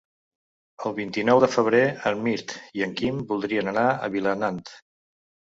El vint-i-nou de febrer en Mirt i en Quim voldrien anar a Vilanant.